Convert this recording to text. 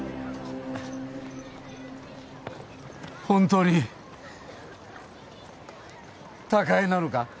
本当に貴恵なのか？